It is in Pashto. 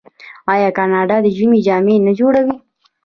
آیا کاناډا د ژمي جامې نه جوړوي؟